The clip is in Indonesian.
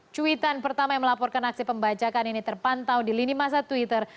cuitan pertama yang melaporkan aksi pembajakan ini terpantau di lini masa twitter